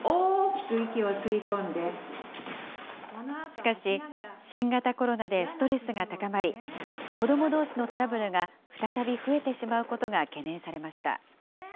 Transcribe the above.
しかし、新型コロナでストレスが高まり、子どもどうしのトラブルが再び増えてしまうことが懸念されました。